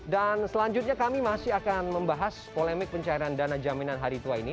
dan selanjutnya kami masih akan membahas polemik pencairan dana jaminan hari tua ini